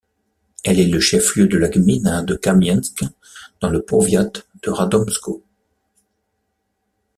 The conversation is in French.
Elle est le chef-lieu de la gmina de Kamieńsk, dans le powiat de Radomsko.